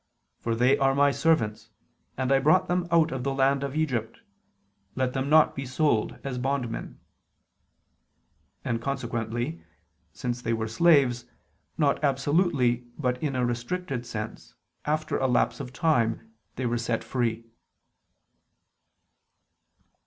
. for they are My servants, and I brought them out of the land of Egypt: let them not be sold as bondmen": and consequently, since they were slaves, not absolutely but in a restricted sense, after a lapse of time they were set free.